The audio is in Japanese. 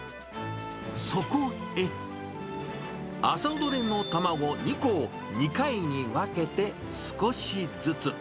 そこへ、朝取れの卵２個を、２回に分けて少しずつ。